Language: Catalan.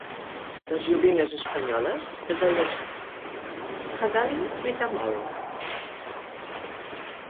Les joguines espanyoles es deien Jadali-Metamol.